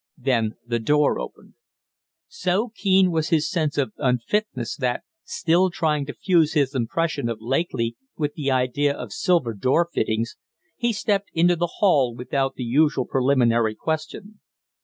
Then the door opened. So keen was his sense of unfitness that, still trying to fuse his impression of Lakely with the idea of silver door fittings, he stepped into the hall without the usual preliminary question.